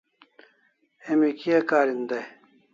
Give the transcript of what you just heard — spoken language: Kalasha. Emi kia karin dai?